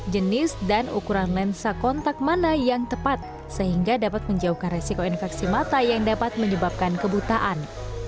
jenis dan ukuran lensa kontak mana yang tepat sehingga dapat menjauhkan resiko infeksi mata yang dapat menyebabkan kebutaan